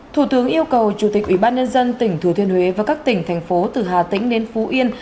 thủ tướng yêu cầu chủ tịch ủy ban nhân dân tỉnh thừa thiên huế và các tỉnh thành phố từ hà tĩnh đến phú yên